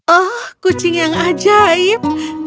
oh kucing yang ajaib